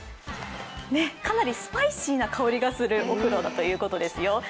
かなりスパイシーな香りがするお風呂だということですよ。